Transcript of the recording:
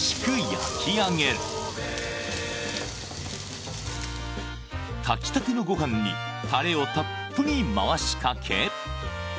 焼き上げる炊きたてのご飯にタレをたっぷり回しかけ